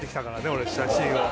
俺写真を。